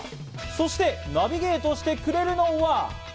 そしてナビゲートしてくれるのが。